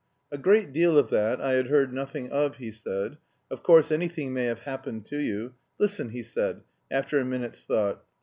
"A great deal of that I had heard nothing of," he said. "Of course, anything may have happened to you.... Listen," he said, after a minute's thought.